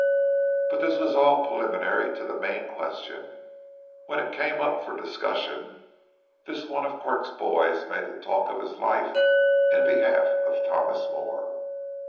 But this was all preliminary to the main question. When it came up for discussion, this one of Quirk's boys made the talk of his life in behalf of Thomas Moore.